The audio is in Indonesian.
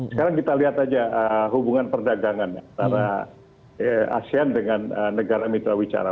sekarang kita lihat aja hubungan perdagangan antara asean dengan negara mitra wicara